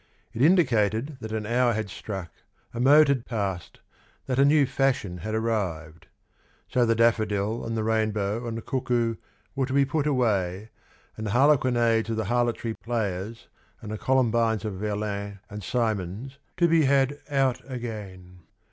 ... It indicated that an hour had struck, a mode had passed, that a hew fashion had arrived. ... So the daffodil and the rainbow and the cuckoo were to be put away, and the Harlequinades of the harlotry players and the Columbines of Verlaine and Symons to be had out again.